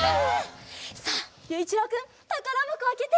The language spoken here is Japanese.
さあゆういちろうくんたからばこあけて。